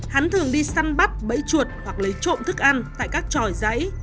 hắn thường đi săn bắt bẫy chuột hoặc lấy trộm thức ăn tại các tròi giấy